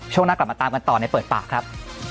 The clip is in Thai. ช่วงหน้ากลับมาตามกันต่อในเปิดปากครับ